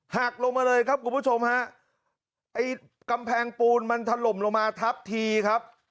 หักลงมาเลยครับคุณผู้ชมฮะไอ้กำแพงปูนมันถล่มลงมาทับทีครับ